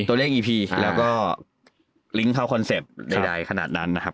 ตัวเลขอีพีครับแล้วก็ลิงก์เข้าคอนเซ็ปต์ใดขนาดนั้นนะครับ